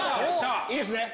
いいですね？